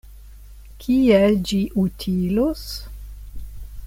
Kiel ĝi utilos?